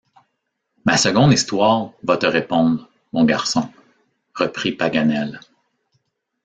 Ma seconde histoire va te répondre, mon garçon, reprit Paganel.